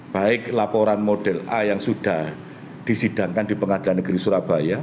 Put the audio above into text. baik laporan model a yang sudah disidangkan di pengadilan negeri surabaya